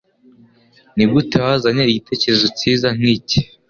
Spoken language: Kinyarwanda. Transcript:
Nigute wazanye igitekerezo cyiza nkiki?